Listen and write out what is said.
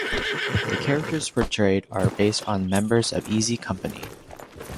The characters portrayed are based on members of Easy Company.